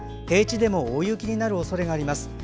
平地でも大雪になるおそれがあります。